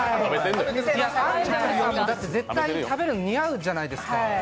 絶対食べるの、似合うじゃないですか。